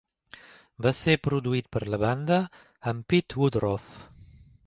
Va ser produït per la banda amb Pete Woodroffe.